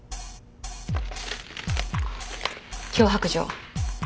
脅迫状。